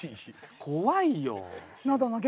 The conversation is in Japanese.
怖いよ。